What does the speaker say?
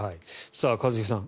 一茂さん